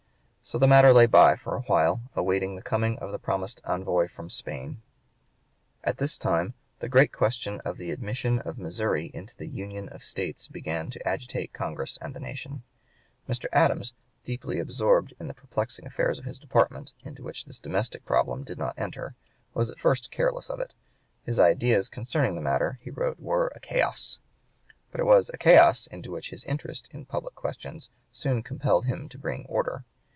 So the matter lay by for a while, awaiting the coming of the promised envoy from Spain. At this time the great question of the admission of Missouri into (p. 119) the Union of States began to agitate Congress and the nation. Mr. Adams, deeply absorbed in the perplexing affairs of his department, into which this domestic problem did not enter, was at first careless of it. His ideas concerning the matter, he wrote, were a "chaos;" but it was a "chaos" into which his interest in public questions soon compelled him to bring order.